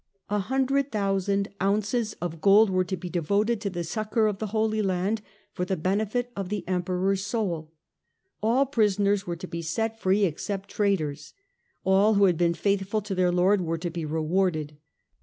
A hundred thousand ounces of gold were to be devoted to the succour of the Holy Land, for the benefit of the Emperor's soul. All prisoners were to be set free, except traitors. All who had been faithful to their Lord were to be rewarded.